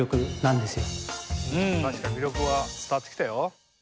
確かに魅力は伝わってきたよ。